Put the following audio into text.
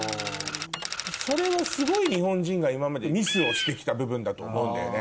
それはすごい日本人が今までミスをして来た部分だと思うんだよね。